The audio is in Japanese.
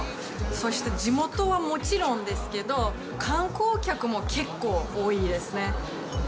そして、地元はもちろんですけど、観光客も結構多いですね。